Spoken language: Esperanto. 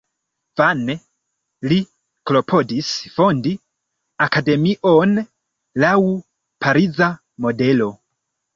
Vane li klopodis fondi akademion laŭ pariza modelo.